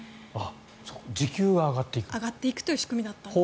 上がっていくという仕組みだったんです。